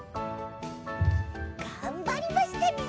がんばりましたね。